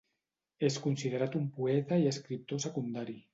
És considerat un poeta i escriptor secundari.